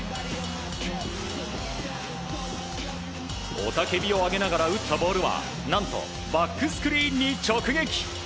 雄たけびを上げながら打ったボールは何とバックスクリーンに直撃！